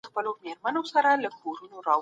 په ټولنه کي د مطالعې فرهنګ وده کوي.